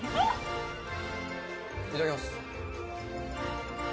いただきます。